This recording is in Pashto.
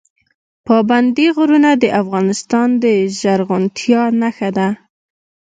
پابندی غرونه د افغانستان د زرغونتیا نښه ده.